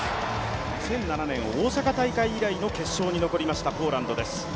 ２００７年大阪大会以来の決勝に残りましたポーランドです。